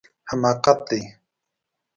حماقت دی